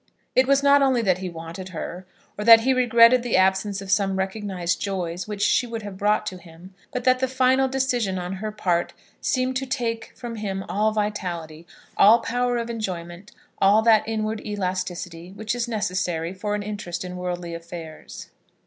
It was not only that he wanted her, or that he regretted the absence of some recognised joys which she would have brought to him; but that the final decision on her part seemed to take from him all vitality, all power of enjoyment, all that inward elasticity which is necessary for an interest in worldly affairs.